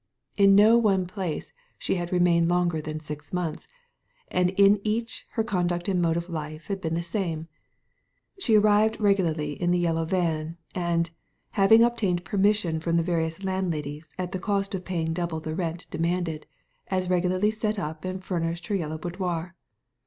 In no one place she had remained longer than six months, and in each her conduct and mode of life had been the same. She arrived regularly in the yellow van, and, having obtained permission from the various landladies at the cost of paying double the rent demanded, as regularly set up and furnished her Yellow Boudoir.